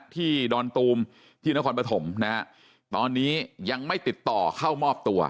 ดอนตูมที่นครปฐมนะฮะตอนนี้ยังไม่ติดต่อเข้ามอบตัว